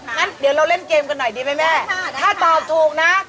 งั้นเดี๋ยวเราเล่นเกมกันหน่อยดีไหมแม่ถ้าตอบถูกนะ